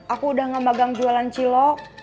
aku udah ngemegang jualan cilok